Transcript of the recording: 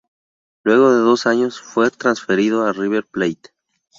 Luego de dos años, fue transferido a River Plate.